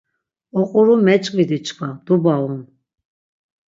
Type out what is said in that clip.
Oquru meç̆k̆vidi çkva, dubağun!